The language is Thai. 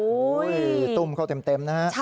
อุ้ยตุ้มเข้าเต็มนะคะ